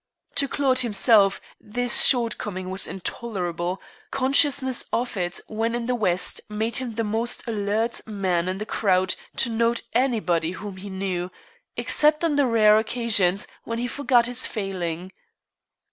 To Claude himself this short coming was intolerable; consciousness of it when in the West made him the most alert man in the crowd to note anybody whom he knew, except on the rare occasions when he forgot his failing.